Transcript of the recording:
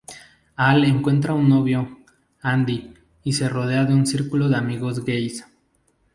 Hal encuentra un novio, Andy, y se rodea de un círculo de amigos gais.